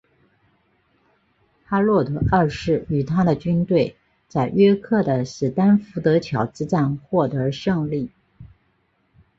哈洛德二世与他的军队在约克的史丹福德桥之战获得胜利。